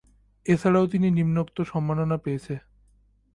এছাড়াও তিনি নিম্নোক্ত সম্মাননা পেয়েছেন।